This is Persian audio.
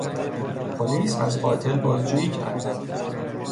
پلیس از قاتل بازجویی کرد.